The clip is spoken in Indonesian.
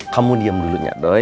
kamu diam dulu nyadoy